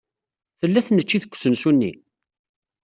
Tella tneččit deg usensu-nni?